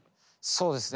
そうですね。